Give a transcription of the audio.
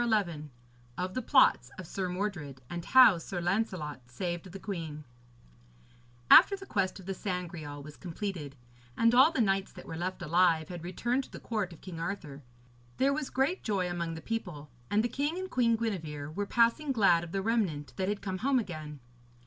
XI OF THE PLOTS OF SIR MORDRED; AND HOW SIR LANCELOT SAVED THE QUEEN After the quest of the Sangreal was completed, and all the knights that were left alive had returned to the court of King Arthur, there was great joy among the people, and the king and Queen Gwenevere were passing glad of the remnant that had come home again.